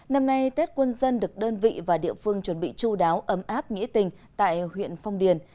năm nay tết quân dân được đơn vị và địa phương chuẩn bị chú đáo ấm áp nghĩa tình tại huyện phong điền